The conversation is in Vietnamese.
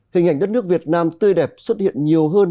hình ảnh đất nước việt nam tươi đẹp xuất hiện nhiều hơn